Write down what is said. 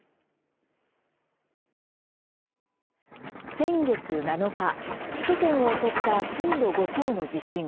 先月７日首都圏を襲った震度５強の地震。